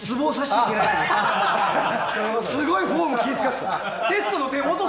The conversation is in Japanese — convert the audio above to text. すごいフォーム気にしていた。